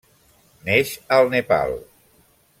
Neix al Nepal.